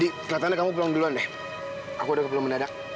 di kelihatannya kamu pulang duluan deh aku udah beli peluang mendadak